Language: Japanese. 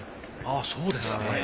あそうですね。